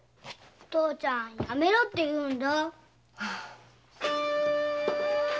父ちゃんやめろって言うんだ。